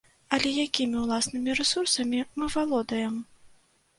Але якімі ўласнымі рэсурсамі мы валодаем?